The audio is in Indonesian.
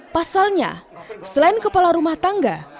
pasalnya selain kepala rumah tangga